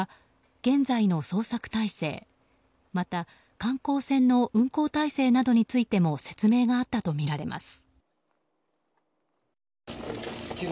現在の捜索態勢、また観光船の運航体制などについても説明があったとみられます。